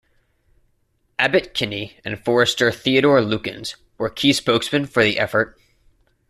Abbot Kinney and forester Theodore Lukens were key spokesmen for the effort.